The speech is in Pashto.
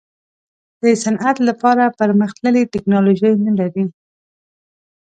د صنعت لپاره پرمختللې ټیکنالوجي نه لري.